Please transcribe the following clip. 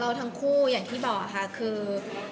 ทั้งคู่อย่างที่บอกค่ะคือ